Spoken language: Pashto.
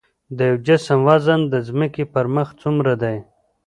د یو جسم وزن د ځمکې پر مخ څومره دی؟